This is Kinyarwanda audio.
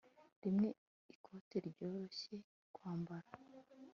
rimwe ikote ryoroshye kwambara